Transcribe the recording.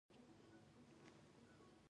سهار د ارام فکر رامنځته کوي.